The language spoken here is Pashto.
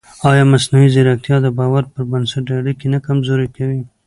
ایا مصنوعي ځیرکتیا د باور پر بنسټ اړیکې نه کمزورې کوي؟